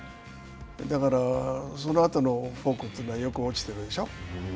だから、そのあとのフォークというのはよく落ちてるでしょう。